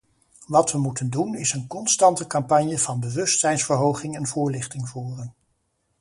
Wat we moeten doen, is een constante campagne van bewustzijnsverhoging en voorlichting voeren.